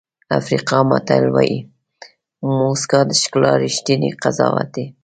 افریقایي متل وایي موسکا د ښکلا ریښتینی قضاوت دی.